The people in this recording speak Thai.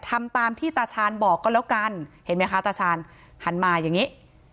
ทำตามที่ตาชาญบอกก็แล้วกันเห็นไหมคะตาชาญหันมาอย่างนี้